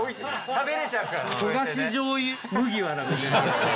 食べれちゃうから。